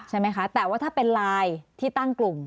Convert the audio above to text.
ใช่ไหมคะแต่ว่าถ้าเป็นไลน์ที่ตั้งกลุ่ม